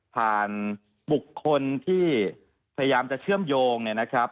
บุคคลที่พยายามจะเชื่อมโยงเนี่ยนะครับ